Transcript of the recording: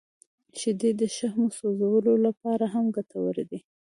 • شیدې د شحمو سوځولو لپاره هم ګټورې دي.